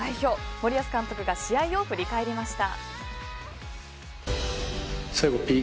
森保監督が試合を振り返りました。